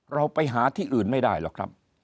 เราไปหาที่อื่นไม่ได้หรอกครับ